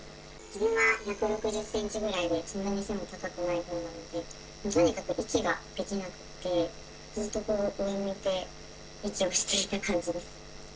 自分は１６０センチぐらいで、そんなに背も高くないほうなので、とにかく息ができなくって、ずっと上を向いて息をしていた感じです。